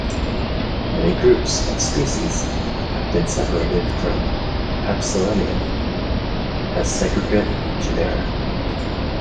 Many groups of species have been separated from "Asplenium" as segregate genera.